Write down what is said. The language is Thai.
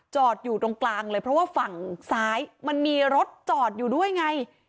จอดอยู่ตรงกลางเลยเพราะว่าฝั่งซ้ายมันมีรถจอดอยู่ด้วยไง